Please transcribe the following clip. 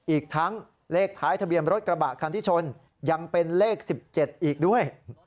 อีกทั้งเลขท้ายทะเบียนรถกระบะคันที่ชนยังเป็นเลข๑๗อีกด้วย